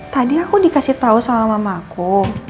tadi aku dikasih tau sama mamaku